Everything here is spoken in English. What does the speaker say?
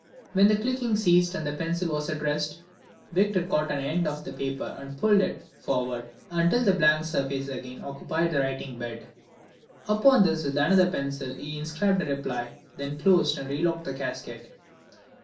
When the clicking ceased and the pencil was at rest, Victor caught an end of the paper and pulled it forward until a blank surface again occupied the writing bed. Upon this with another pencil he inscribed a reply, then closed and relocked the casket.